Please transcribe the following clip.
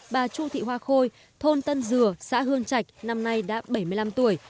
bà chu thị hoa khôi thôn tân dừa xã hương trạch năm nay đã bảy mươi năm tuổi